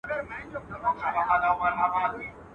لوبیا د کرنې محصول دی.